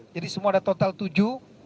jadi semua ada total tujuh